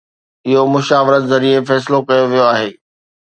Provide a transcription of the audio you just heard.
اهو مشاورت ذريعي فيصلو ڪيو ويو آهي.